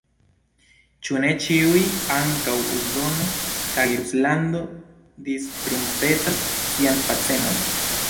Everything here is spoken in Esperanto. Ĉu ne ĉiuj, ankaŭ Usono kaj Ruslando, distrumpetas sian pacemon?